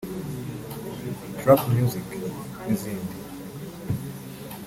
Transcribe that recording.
’Trap Music’ n’izindi